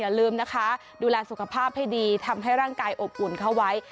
อย่าลืมนะคะดูแลสุขภาพให้ดีทำให้ร่างกายอบอุ่นเข้าไว้